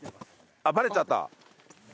あっバレちゃった。